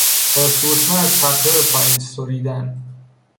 با سورتمه از تپه به پایین سریدن